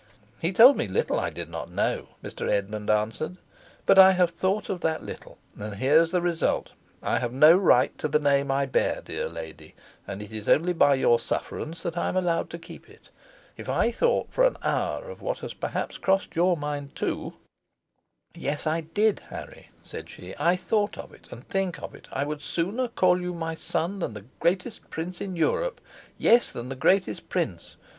"He told me little I did not know," Mr. Esmond answered. "But I have thought of that little, and here's the result: I have no right to the name I bear, dear lady; and it is only by your sufferance that I am allowed to keep it. If I thought for an hour of what has perhaps crossed your mind too " "Yes, I did, Harry," said she; "I thought of it; and think of it. I would sooner call you my son than the greatest prince in Europe yes, than the greatest prince.